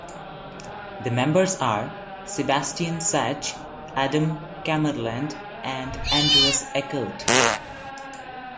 The members are Sebastian Tesch, Adam Kammerland and Anders Ekert.